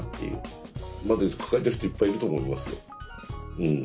まあだけど抱えている人いっぱいいると思いますようん。